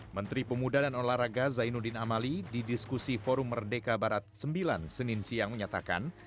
menteri pemuda dan olahraga zainuddin amali di diskusi forum merdeka barat sembilan senin siang menyatakan